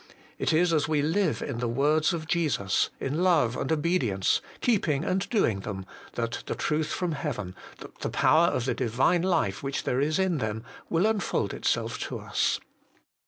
It is as we live in the words of Jesus, in love and obedience, keeping and doing them, that the Truth from heaven, the Power of the Divine Life which there is in them, will unfold itself to us.